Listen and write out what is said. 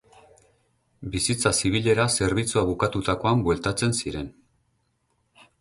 Bizitza zibilera zerbitzua bukatutakoan bueltatzen ziren.